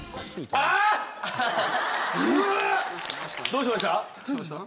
どうしました？